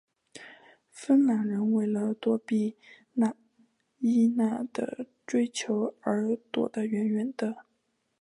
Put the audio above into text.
芬兰人为了躲避纳伊娜的追求而躲得远远的。